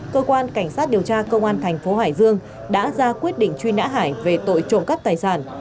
cơ quan cảnh sát điều tra công an tp hải dương đã ra quyết định truy nã hải về tội trộn cắp tài sản